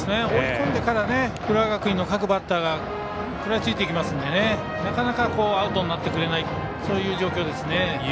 追い込んでから浦和学院の各バッターが食らいついてきますのでなかなかアウトになってくれないそういう状況ですね。